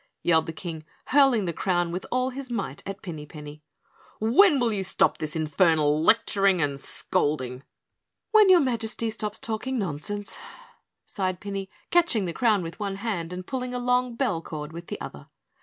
yelled the King, hurling the crown with all his might at Pinny Penny. "When will you stop this infernal lecturing and scolding?" "When your Majesty stops talking nonsense," sighed Pinny, catching the crown with one hand and pulling a long bell cord with the other.